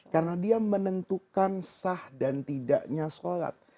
karena dia menentukan sah dan tidaknya sholat